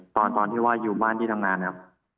ตอนที่ว่าอยู่บ้านที่ทำงานครับ